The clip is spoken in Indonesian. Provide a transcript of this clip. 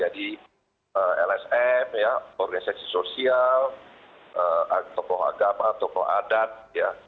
kpm ya organisasi sosial tokoh agama tokoh adat ya